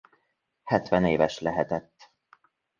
Hetvenéves lehetett.